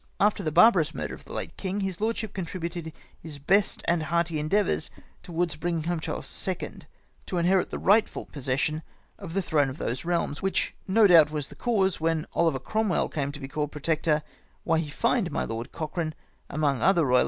After the barbarous murder of the late Mng, his lordship contributed his best and hearty endeavours towards bringing home Charles II. to inherit the rightful pos session of the throne of these realms ; which, no doubt, was the cause, when Ohver Cromwell came to be called protector, why he fined my Lord Cochrane, among other royahsts, in 5000